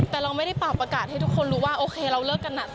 แต่เราไม่ได้ปรับประกาศให้ทุกคนรู้ว่าโอเคเราเลิกกัน